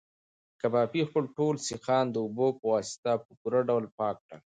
کبابي خپل ټول سیخان د اوبو په واسطه په پوره ډول پاک کړل.